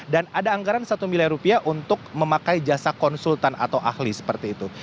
dan ada anggaran satu miliar rupiah untuk memakai jasa konsultan atau ahli seperti itu